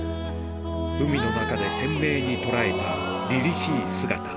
海の中で鮮明に捉えた凛々しい姿。